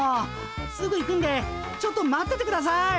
すぐ行くんでちょっと待っててください。